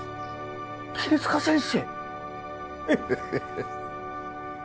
桐塚先生？